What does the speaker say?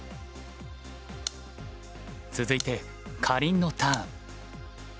続いてかりんのターン。